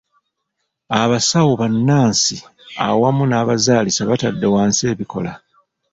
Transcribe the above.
Abasawo ba nnansi awamu n'abazaalisa batadde wansi ebikola.